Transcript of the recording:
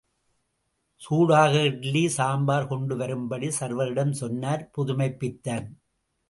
சூடாக இட்லி, சாம்பார் கொண்டு வரும்படி சர்வரிடம் சொன்னார் புதுமைப் பித்தன்.